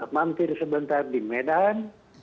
mampir sebentar di medan